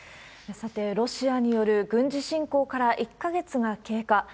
さて、ロシアによる軍事侵攻から１か月が経過。